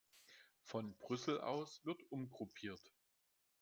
Von Brüssel aus wird umgruppiert.